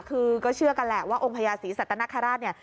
คือก็เชื่อกันแหละว่าองค์พญาศรีสัตนคราชเนี่ย